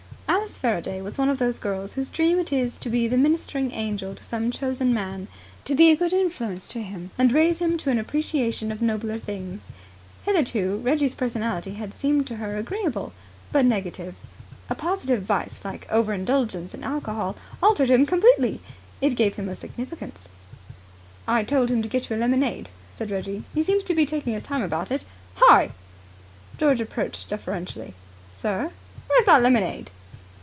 Alice Faraday was one of those girls whose dream it is to be a ministering angel to some chosen man, to be a good influence to him and raise him to an appreciation of nobler things. Hitherto, Reggie's personality had seemed to her agreeable, but negative. A positive vice like over indulgence in alcohol altered him completely. It gave him a significance. "I told him to get you a lemonade," said Reggie. "He seems to be taking his time about it. Hi!" George approached deferentially. "Sir?" "Where's that lemonade?"